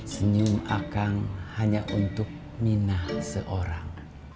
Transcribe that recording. senyum akang hanya untuk mina seorang